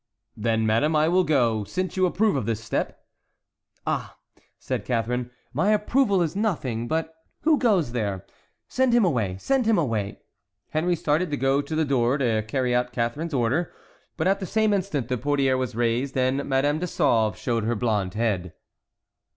"Then, madame, I will go, since you approve of this step." "Oh," said Catharine, "my approval is nothing—But who goes there? Send him away, send him away." Henry started to go to the door to carry out Catharine's order; but at the same instant the portière was raised and Madame de Sauve showed her blond head.